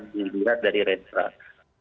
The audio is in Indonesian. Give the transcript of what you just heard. dilihat dari red trust